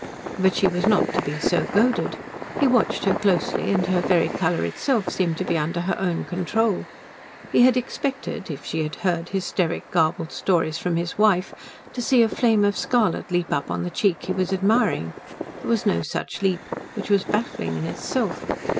But she was not to be so goaded. He watched her closely and her very colour itself seemed to be under her own control. He had expected if she had heard hysteric, garbled stories from his wife to see a flame of scarlet leap up on the cheek he was admiring. There was no such leap, which was baffling in itself.